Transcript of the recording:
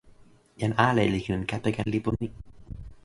jan ale li ken kepeken lipu ni.